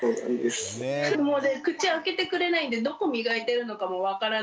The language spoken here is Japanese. もうね口開けてくれないんでどこ磨いてるのかも分からないし。